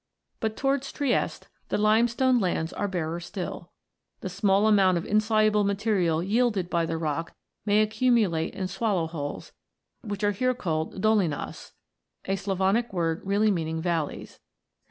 But towards Trieste the limestone lands are barer still. The small amount of insoluble matter yielded by the rock may accumulate in swallow holes, which are here called " dolinas," a Slavonic word really meaning valleys.